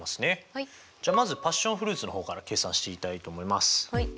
じゃあまずパッションフルーツの方から計算していきたいと思います。